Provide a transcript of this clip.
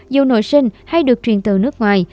dù nội sinh hay được truyền từ nước ngoài